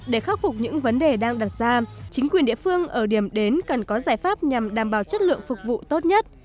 để khắc phục những vấn đề đang đặt ra chính quyền địa phương ở điểm đến cần có giải pháp nhằm đảm bảo chất lượng phục vụ tốt nhất